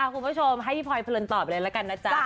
คุณผู้ชมให้พี่พลอยเพลินตอบเลยละกันนะจ๊ะ